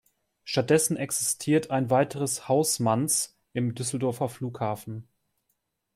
Stattdessen existiert ein weiteres "Hausmann′s" im Düsseldorfer Flughafen.